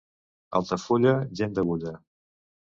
Altafulla, gent d'agulla.